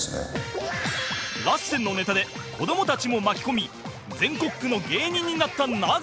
ラッセンのネタで子どもたちも巻き込み全国区の芸人になった永野